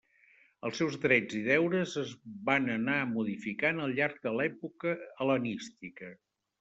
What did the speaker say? Els seus drets i deures es van anar modificant al llarg de l'època hel·lenística.